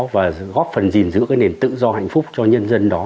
và góp phần gìn giữ cái nền tự do hạnh phúc cho nhân dân đó